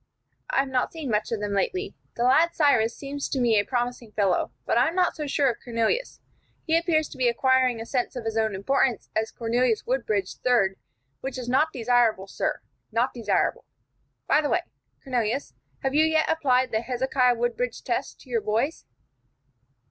I have not seen much of them lately. The lad Cyrus seems to me a promising fellow, but I am not so sure of Cornelius. He appears to be acquiring a sense of his own importance as Cornelius Woodbridge, Third, which is not desirable, sir, not desirable. By the way, Cornelius, have you yet applied the Hezekiah Woodbridge test to your boys?"